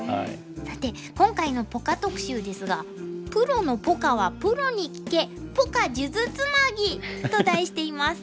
さて今回のポカ特集ですが「プロのポカはプロに聞け！ポカ数珠つなぎ」と題しています。